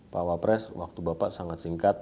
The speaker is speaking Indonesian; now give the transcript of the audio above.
pak wapres waktu bapak sangat singkat